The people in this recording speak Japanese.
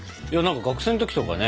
学生の時とかね